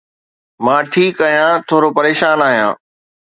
مان ٺيڪ آهيان، ٿورو پريشان آهيان.